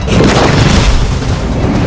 masih ada yang membungkuk